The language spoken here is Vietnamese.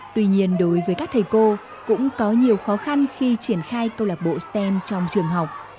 tuy nhiên đối với các thầy cô cũng có nhiều khó khăn khi triển khai câu lạc bộ stem trong trường học